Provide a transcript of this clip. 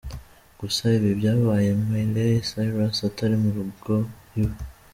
Gusa, ibi byabaye Miley Cyrus Atari mu rugo iwe.